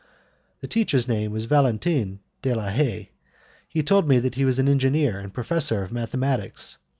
The teacher's name was Valentin de la Haye. He told me that he was an engineer and professor of mathematics.